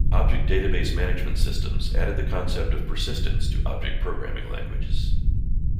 Object database management systems added the concept of persistence to object programming languages.